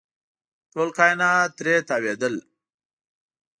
ټول کاینات ترې تاوېدل.